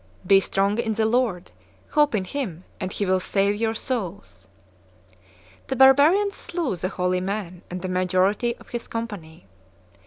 Be strong in the Lord: hope in Him, and He will save your souls." The barbarians slew the holy man and the majority of his company.